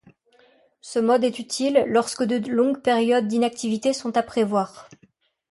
Ce mode est utile lorsque de longues périodes d'inactivité sont à prévoir.